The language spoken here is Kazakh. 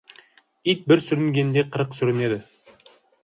Ит бір сүрінгенде қырық сүрінеді.